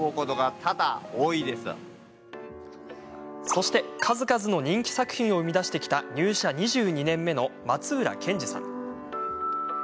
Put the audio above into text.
そして、数々の人気作品を生み出してきた入社２２年目の松浦健司さん。